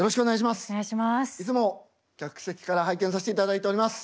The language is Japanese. いつも客席から拝見させていただいております。